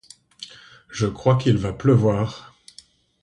Je crois qu'il va pleuvoir.